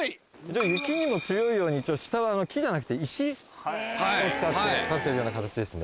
雪にも強いように下は木じゃなくて石を使って建ててるような形ですね。